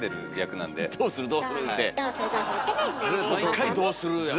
毎回「どうする」やもんね。